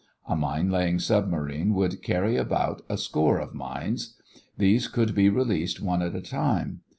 A mine laying submarine would carry about a score of mines. These could be released one at a time.